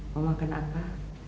mau makan apa